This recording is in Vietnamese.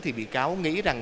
thì bị cáo nghĩ rằng